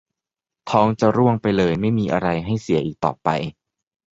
ท้องจะร่วงไปเลย ไม่มีอะไรให้เสียอีกต่อไป